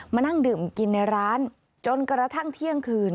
มานั่งดื่มกินในร้านจนกระทั่งเที่ยงคืน